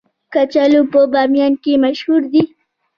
کچالو په بامیان کې مشهور دي